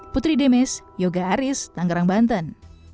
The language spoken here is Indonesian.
putri demis yoga aris tangerang banten